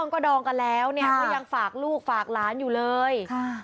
ก็ดองกันแล้วเนี่ยก็ยังฝากลูกฝากหลานอยู่เลย